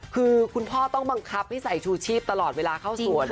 คือคุณพ่อต้องบังคับให้ใส่ชูชีพตลอดเวลาเข้าสวน